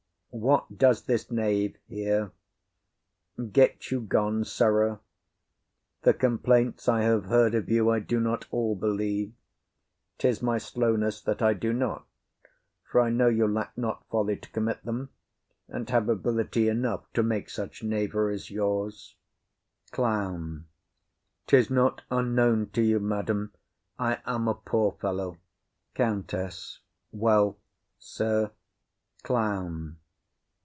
What does this knave here? Get you gone, sirrah. The complaints I have heard of you I do not all believe; 'tis my slowness that I do not; for I know you lack not folly to commit them, and have ability enough to make such knaveries yours. CLOWN. 'Tis not unknown to you, madam, I am a poor fellow. COUNTESS. Well, sir. CLOWN.